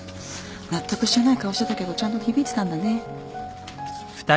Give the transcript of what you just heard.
納得してない顔してたけどちゃんと響いてたんだね。